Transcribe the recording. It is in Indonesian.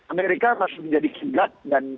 amerika masih menjadi kilat dan